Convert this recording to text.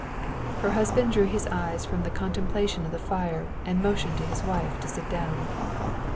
Her husband drew his eyes from the contemplation of the fire and motioned to his wife to sit down.